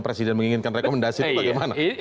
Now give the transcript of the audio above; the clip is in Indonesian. presiden menginginkan rekomendasi itu bagaimana